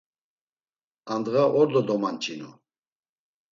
Andğa ordo domanç̌inu.